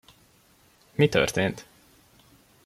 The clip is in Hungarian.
Mi történt?